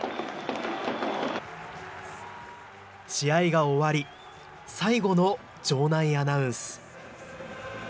試合が終わり、最後の場内アナウンス。